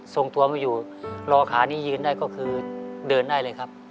ส่งตัวไม่อยู่รอขานี้ยืนได้ก็คือเดินได้เลยครับ